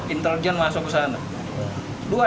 inteljen masuk ke sana